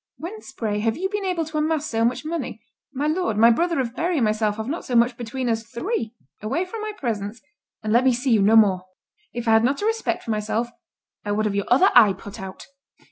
Whence, pray, have you been able to amass so much money? My lord, my brother of Berry and myself have not so much between us three. Away from my presence, and let me see you no more! If I had not a respect for myself, I would have your other eye put out."